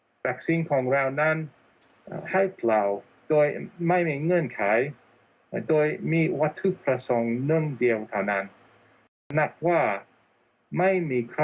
บริษัทไหนก็อย่างนึกว่าเราฝ่านจะแสดงว่าปรับทราบเชี่ยวทางหลักแรก